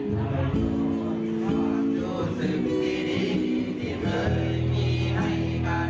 ทั้งหมดชอบดูสิ่งที่ดีที่เธอยังมีให้กัน